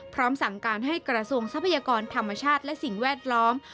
พร้อมสั่งการให้กระทรวงทรัพยากรธรรมชาติและสิ่งแวดล้อม